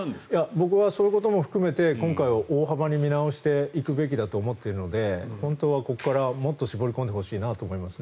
僕はそういうことも含めて今回大幅に見直していくべきだと思うので本当はここからもっと絞り込んでほしいなと思いますね。